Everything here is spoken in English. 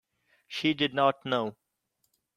She did not know.